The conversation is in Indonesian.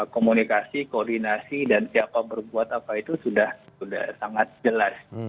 komunikasi koordinasi dan siapa berbuat apa itu sudah sangat jelas